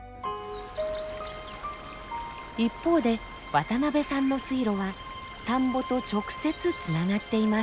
一方で渡部さんの水路は田んぼと直接つながっています。